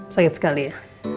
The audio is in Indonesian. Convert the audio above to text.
sakit sekali ya